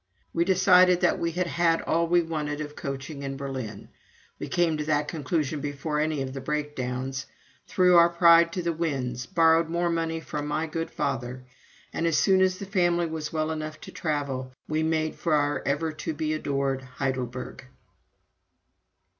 We decided that we had had all we wanted of coaching in Berlin, we came to that conclusion before any of the breakdowns, threw our pride to the winds, borrowed more money from my good father, and as soon as the family was well enough to travel, we made for our ever to be adored Heidelberg.